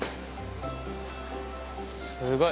すごい。